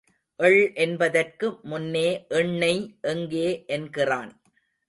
எள் என்பதற்கு முன்னே எண்ணெய் எங்கே என்கிறான்.